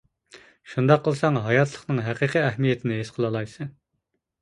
شۇنداق قىلساڭ ھاياتلىقنىڭ ھەقىقىي ئەھمىيىتىنى ھېس قىلالايسەن.